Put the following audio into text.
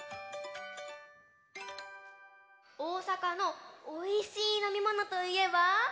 大阪のおいしいのみものといえば？